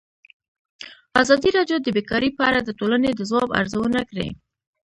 ازادي راډیو د بیکاري په اړه د ټولنې د ځواب ارزونه کړې.